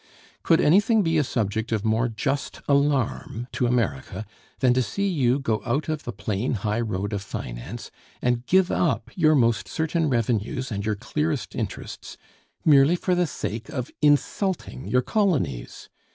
Could anything be a subject of more just alarm to America than to see you go out of the plain high road of finance, and give up your most certain revenues and your clearest interests, merely for the sake of insulting your colonies?